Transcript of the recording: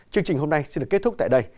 chương trình hôm nay xin được kết thúc tại đây